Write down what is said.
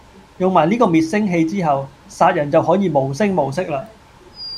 用埋呢個滅聲器之後，殺人就可以無聲無息喇